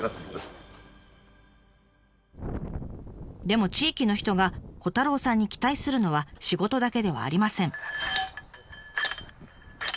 でも地域の人が虎太郎さんに期待するのは仕事だけではありません。